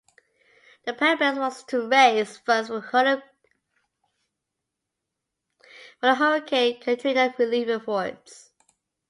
The purpose was to raise funds for the Hurricane Katrina relief efforts.